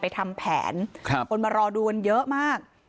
ไปทำแผนคนมารอดูเยอะมาก